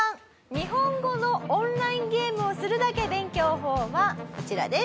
日本語のオンラインゲームをするだけ勉強法はこちらです。